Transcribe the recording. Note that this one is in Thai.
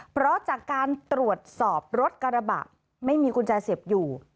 เพราะจากการตรวจสอบรถกระบะไม่มีกุญแจเสียบอยู่